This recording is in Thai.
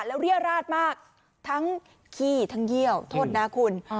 แล้วเรียราชมากทั้งขี้ทั้งเยี่ยวโทษนะคุณ